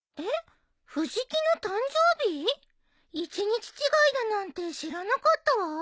１日違いだなんて知らなかったわ。